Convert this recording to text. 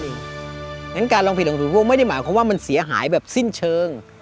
ฉะนั้นการลองผลิตของพี่โบ้ไม่ได้หมายความว่ามันเสียหายแบบสิ้นเชิง